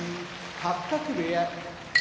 八角部屋